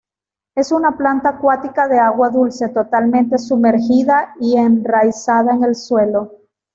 Es una planta acuática, de agua dulce, totalmente sumergida y enraizada en el suelo.